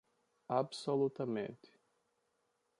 Absolutamente